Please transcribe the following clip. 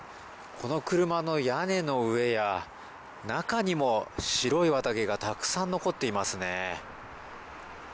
この車の屋根の上や中にも白い綿毛がたくさん残っていますね。